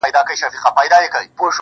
هغې ويل په پوري هـديــره كي ښخ دى .